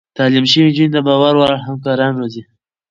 تعليم شوې نجونې د باور وړ همکاران روزي.